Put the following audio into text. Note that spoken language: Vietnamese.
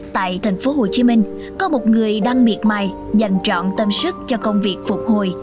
tại thành phố hồ chí minh có một người đang miệt mài dành trọn tâm sức cho công việc phục hồi